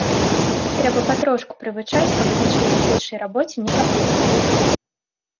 Трэба патрошку прывучаць, каб і на чысцейшай рабоце не капыціўся.